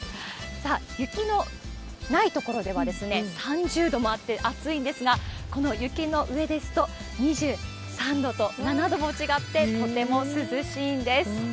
さあ、雪のない所では３０度もあって暑いんですが、この雪の上ですと、２３度と、７度も違って、とても涼しいんです。